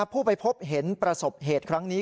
ผู้ไปพบเห็นประสบเหตุครั้งนี้